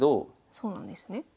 そうなんですね。